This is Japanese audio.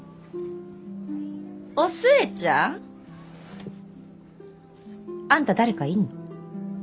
お寿恵ちゃん？あんた誰かいんの？